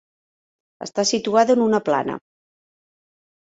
Està situada en una plana.